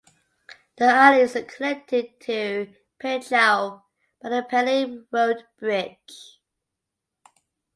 The island is connected to Peng Chau by the Peng Lei Road bridge.